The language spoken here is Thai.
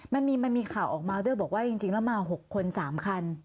มันมีมันมีข่าวออกมาด้วยบอกว่าจริงจริงแล้วมาหกคนสามคัน